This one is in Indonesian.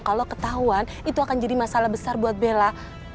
kalau ketahuan itu akan jadi masalah besar buat bella